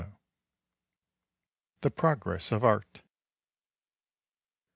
"] THE PROGRESS OF ART.